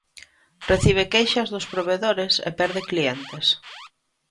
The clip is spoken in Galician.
Recibe queixas dos provedores e perde clientes.